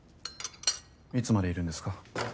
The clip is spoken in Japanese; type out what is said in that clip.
いつまでいるんですか？